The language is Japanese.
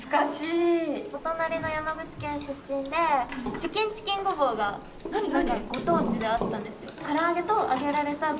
お隣の山口県出身でチキンチキンごぼうがご当地であったんですけど。